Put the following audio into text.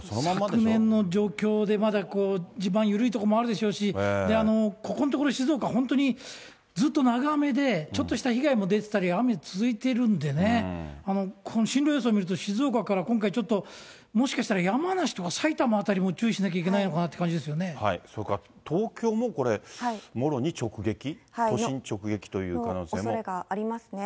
昨年の状況で、まだ地盤緩い所もあるでしょうし、ここのところ、静岡は本当にずっと長雨で、ちょっとした被害も出てたり、雨続いてるんでね、この進路予想見ると、静岡から今回ちょっと、もしかしたら山梨とか埼玉辺りも注意しなきゃいけないのかなってそれから東京もこれ、もろに直撃、都心直撃という可能性おそれがありますね。